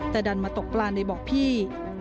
แต่ดันมาตกปลาในเบาะพี่